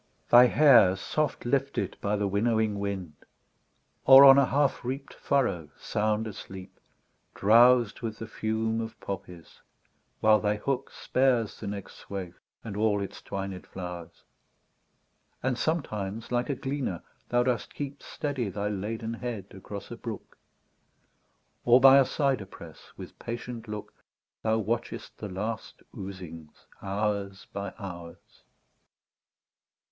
Thy hair soft lifted by the winnowing wind ; Or on a half reap'd furrow sound asleep, Drows'd with the fume of poppies, while thy hook Spares the next swath and all its twined flowers : And sometimes like a gleaner thou dost keep Steady thy laden head across a brook ; Or by a cyder press, with patient look. Thou watchest the last oozings hours by hours.